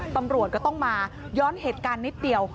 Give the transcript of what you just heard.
ตำรวจก็ต้องมาย้อนเหตุการณ์นิดเดียว